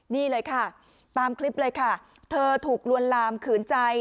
นี่เลยค่ะตามคลิปเลยค่ะเธอถูกลวนลามขืนใจ